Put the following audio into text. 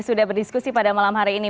sudah berdiskusi pada malam hari ini